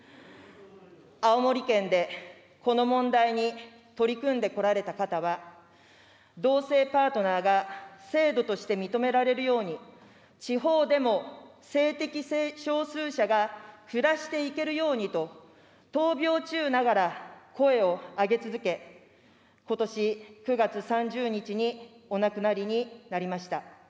青森県でこの問題に取り組んでこられた方は、同性パートナーが制度として認められるように、地方でも性的少数者が暮らしていけるようにと、闘病中ながら声を上げ続け、ことし９月３０日にお亡くなりになりました。